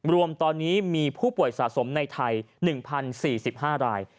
รวมตอนนี้มีผู้ป่วยสะสมในไทย๑๐๔๕ราย